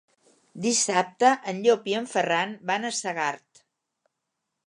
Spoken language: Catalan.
Dissabte en Llop i en Ferran van a Segart.